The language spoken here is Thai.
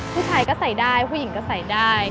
ผู้ชายก็ใส่ได้ผู้หญิงก็ใส่ได้